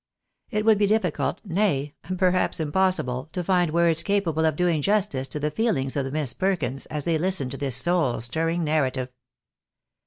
It would be difficult, nay, perhaps impossible, to find words capable of doing justice to the feehngs of the Misses Perkins as they listened to this soul stirring narrative.